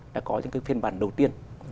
đã có những phiên bản đầu tiên